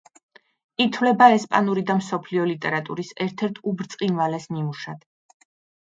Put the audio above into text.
ითვლება ესპანური და მსოფლიო ლიტერატურის ერთ-ერთ უბრწყინვალეს ნიმუშად.